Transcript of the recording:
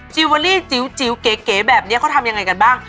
เวอรี่จิ๋วเก๋แบบนี้เขาทำยังไงกันบ้าง